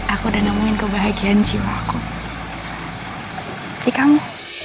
aku udah nemuin kebahagiaan jiwaku di kamu